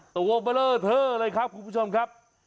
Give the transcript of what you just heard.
ตัวเบลอเทอร์เลยครับคุณผู้ชมครับ